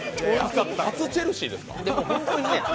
初チェルシーですか？